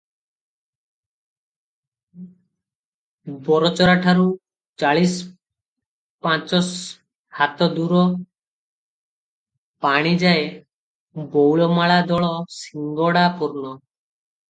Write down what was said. ବରଚରାଠରୁ ଚାଳିଶ ପାଞ୍ଚଶ ହାତ ଦୂର ପାଣିଯାଏ ବଉଳମାଳା ଦଳ ଶିଙ୍ଗଡ଼ା ପୂର୍ଣ୍ଣ ।